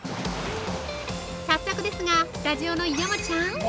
早速ですが、スタジオの山ちゃん！